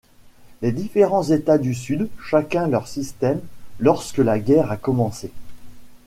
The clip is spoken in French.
Les différents États du sud chacun leur système lorsque la guerre a commencé.